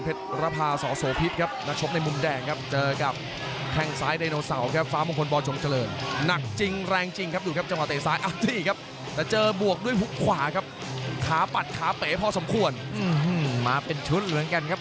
เพื่อพยายามจะดักด้วยฮุกซ้ายและขวาครับ